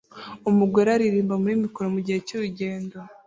Umugore aririmba muri mikoro mugihe cy'urugendo